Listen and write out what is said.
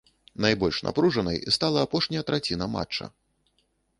Найбольш напружанай стала апошняя траціна матча.